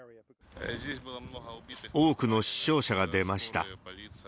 多くの死傷者が出ました。